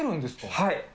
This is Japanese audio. はい。